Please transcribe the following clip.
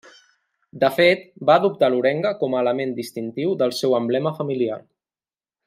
De fet, va adoptar l'orenga com a element distintiu del seu emblema familiar.